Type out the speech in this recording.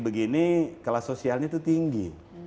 begini kelas sosialnya itu tinggi